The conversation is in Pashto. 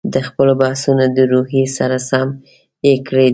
د خپلو بحثونو د روحیې سره سم یې کړي دي.